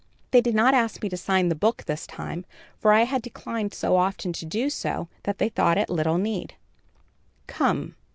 They did not ask me to sign the book, this time, for I had declined so often to do so, that they thought it little need. "'Come!'